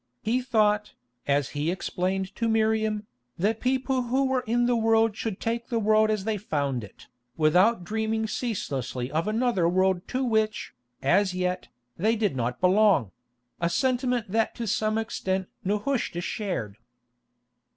He thought, as he explained to Miriam, that people who were in the world should take the world as they found it, without dreaming ceaselessly of another world to which, as yet, they did not belong; a sentiment that to some extent Nehushta shared.